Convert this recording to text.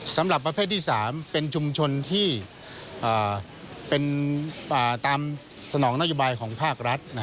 สำหรับประเภทที่๓เป็นชุมชนที่เป็นตามสนองนโยบายของภาครัฐ